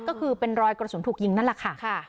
ก็คือเป็นรอยกระสุนถูกยิงนั่นแหละค่ะ